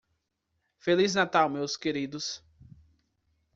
Feliz Natal meus queridos.